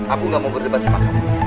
aku gak mau berdebat sama kamu